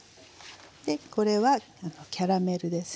これはキャラメルですね。